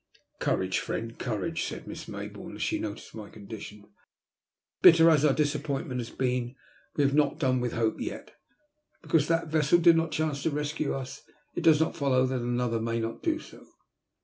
Courage, friend, courage,'* said Miss Maybourne, as she noticed my condition. '' Bitter as our disap pointment has been we have not done with hope yet. Because that vessel did not chance to rescue us it does not follow that another may not do so.